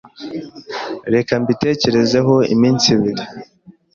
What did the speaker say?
Reka mbitekerezeho iminsi ibiri.